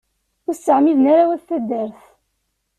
Ur as-ttɛemmiden ara wat taddart.